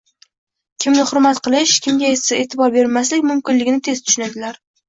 kimni hurmat qilish, kimga esa e’tibor bermaslik mumkinligini tez tushunadilar.